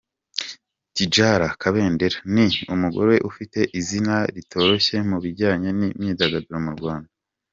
Tidjara Kabendera ni umugore ufite izina ritoroshye mu bijyanye n’imyidagaduro mu Rwanda.